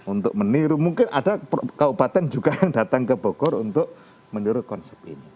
untuk meniru mungkin ada kabupaten juga yang datang ke bogor untuk menurut konsep ini